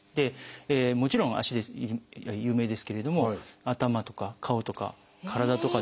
もちろん足が有名ですけれども頭とか顔とか体とかですね。